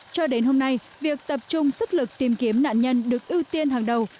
cho đến hôm nay việc tập trung sức lực tìm kiếm nạn nhân được ưu tiên hàng đầu